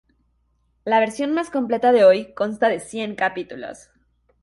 La versión más completa de hoy consta de cien capítulos.